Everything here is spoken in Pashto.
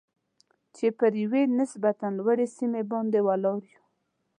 چې پر یوې نسبتاً لوړې سیمې باندې ولاړ یو.